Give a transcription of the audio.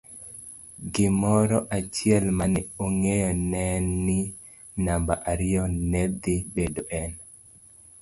Gimoro achiel mane ong'eyo neen ni namba ariyo nedhi bedo en.